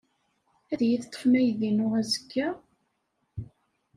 Ad iyi-teṭṭfem aydi-inu azekka?